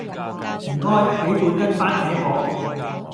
唔該，畀半斤番茄我